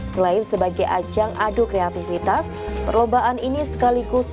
selain sebagai ajang aduk kreatifitas perlombaan ini sekaligus untuk kreatifitas